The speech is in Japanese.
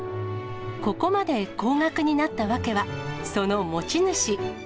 ここまで高額になった訳は、その持ち主。